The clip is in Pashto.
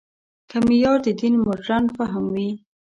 که معیار د دین مډرن فهم وي.